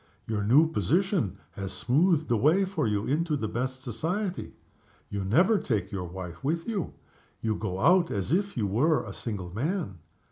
Your new position has smoothed the way for you into the best society. You never take your wife with you. You go out as if you were a single man.